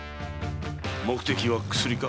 目的は薬か？